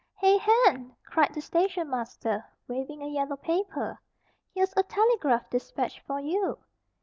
"Hey, Hen!" cried the station master, waving a yellow paper. "Here's a telegraph despatch for you."